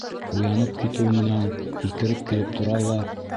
Уянып китеү менән һикереп килеп тора ла: